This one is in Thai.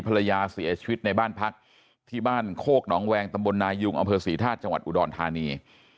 ภรรยาเสียชีวิตในบ้านพักที่บ้านโคกหนองแวงตำบลนายุงอำเภอศรีธาตุจังหวัดอุดรธานี